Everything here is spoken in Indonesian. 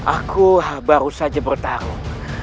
aku baru saja bertarung